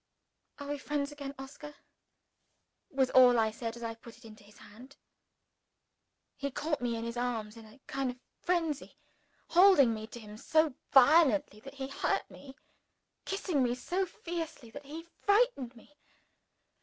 "Are we friends again, Oscar?" was all I said as I put it into his hand. He caught me in his arms in a kind of frenzy holding me to him so violently that he hurt me; kissing me so fiercely that he frightened me.